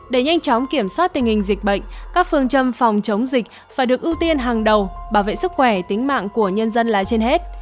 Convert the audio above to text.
để nhanh chóng kiểm soát tình hình dịch bệnh các phương châm phòng chống dịch phải được ưu tiên hàng đầu bảo vệ sức khỏe tính mạng của nhân dân là trên hết